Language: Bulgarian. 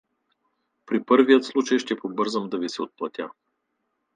При първия случай ще побързам да ви се отплатя.